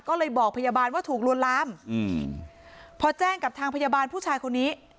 ก็เลยบอกพยาบาลว่าถูกลวนลามอืมพอแจ้งกับทางพยาบาลผู้ชายคนนี้